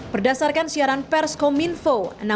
berdasarkan siaran perskom info enam belas mei dua ribu delapan belas